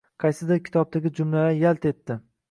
Qaysidir kitobdagi jumlalar yalt etdi.